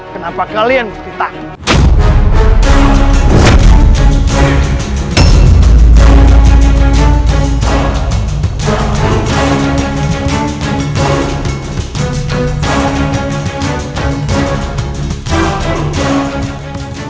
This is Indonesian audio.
kenapa kalian berhenti takut